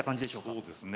そうですね。